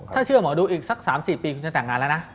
ถ้าเชื่อหมอดูอีกสัก๓๔ปีคุณจะแต่งงานแล้วนะ